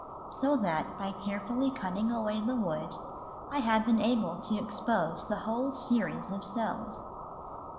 So that by carefully cutting away the wood I have been able to expose the whole series of cells.